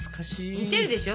似てるでしょ